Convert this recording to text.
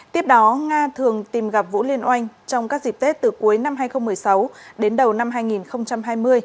tiếp đó nga thường tìm gặp vũ liên oanh trong các dịp tết từ cuối năm hai nghìn một mươi sáu đến đầu năm hai nghìn hai mươi